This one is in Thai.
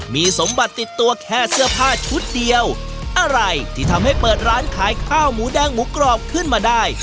มีสมบัติติดตัวแค่เสื้อผ้าชุดเดียวอะไรที่ทำให้เปิดร้านขายข้าวหมูแดงหมูกรอบขึ้นมาได้